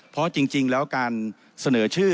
เพราะจริงแล้วการเสนอชื่อ